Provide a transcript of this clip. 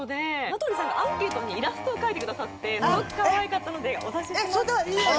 名取さんがアンケートにイラストを描いてくださってすごくかわいかったのでお出しします。